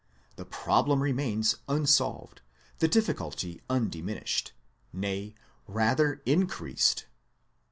The problem remains unsolved, the difficulty undiminished, nay, rather in creased.